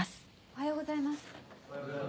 おはようございます。